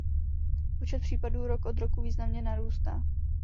Počet případů rok od roku významně narůstá.